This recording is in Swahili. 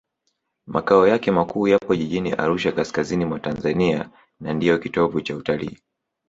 makao yake makuu yapo jijini arusha kaskazini mwa tanzania na ndiyo kitovu cha utalii